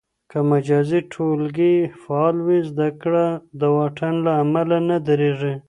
که مجازي ټولګي فعال وي، زده کړه د واټن له امله نه درېږي.